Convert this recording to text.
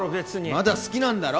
まだ好きなんだろ！？